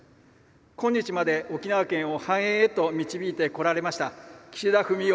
今日まで沖縄県を繁栄へと導いてこられました岸田文雄